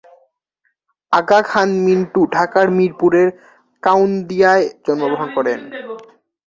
আগা খান মিন্টু ঢাকার মিরপুরের কাউন্দিয়ায় জন্মগ্রহণ করেন।